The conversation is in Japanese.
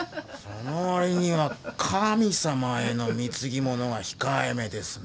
その割には神様への貢ぎ物が控えめですな。